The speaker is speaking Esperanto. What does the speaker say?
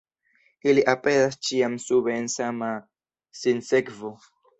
Ili aperas ĉiam sube en sama sinsekvo.